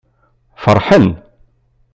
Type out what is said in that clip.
Feṛḥen.